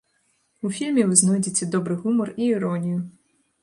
У фільме вы знойдзеце добры гумар і іронію.